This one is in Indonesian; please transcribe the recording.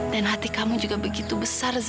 dan hati kamu juga begitu besar za